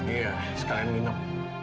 iya sekalian minum